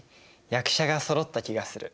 役者がそろった気がする。